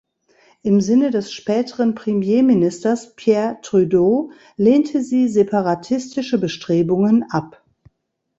Im Sinne des späteren Premierministers Pierre Trudeau lehnte sie separatistische Bestrebungen ab.